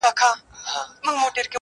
o راته ښكلا راوړي او ساه راكړي.